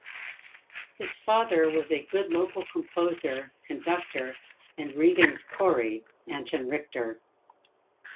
His father was a good local composer, conductor and "regens chori" Anton Richter.